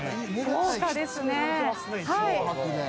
豪華ですね。